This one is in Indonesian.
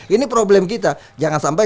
ini problem kita jangan sampai